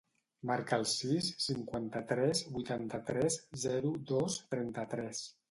Marca el sis, cinquanta-tres, vuitanta-tres, zero, dos, trenta-tres.